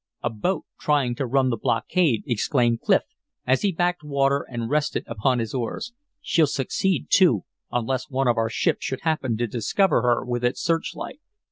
"A boat trying to run the blockade!" exclaimed Clif, as he backed water and rested upon his oars. "She'll succeed, too, unless one of our ships should happen to discover her with its searchlight."